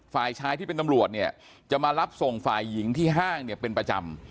ฝ่ายชายที่เป็นตำรวจเนี่ยจะมารับส่งฝ่ายหญิงที่ห้างเนี่ยเป็นประจำ